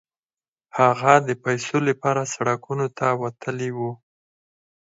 هغه د پيسو لپاره سړکونو ته وتلی و.